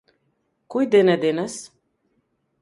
Кој ден е денес?